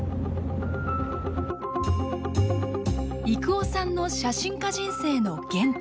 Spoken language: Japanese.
征夫さんの写真家人生の原点